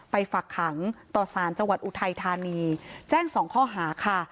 ฝักขังต่อสารจังหวัดอุทัยธานีแจ้งสองข้อหาค่ะ